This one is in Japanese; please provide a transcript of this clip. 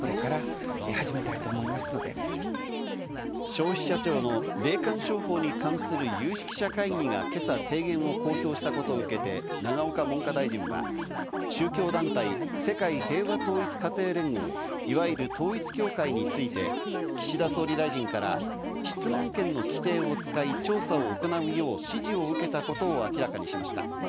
消費者庁の霊感商法に関する有識者会議が今朝、提言を公表したことを受けて、永岡文科大臣は宗教団体・世界平和統一家庭連合、いわゆる統一教会について岸田総理大臣から質問権の規定を使い、調査を行うよう指示を受けたことを明らかにしました。